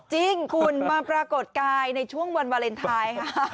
จริงคุณมาปรากฏกายในช่วงวันวาเลนไทยค่ะ